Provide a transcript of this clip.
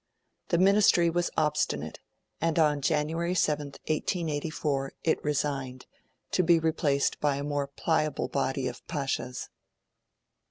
The Ministry was obstinate, and, on January 7th, 1884, it resigned, to be replaced by a more pliable body of Pashas.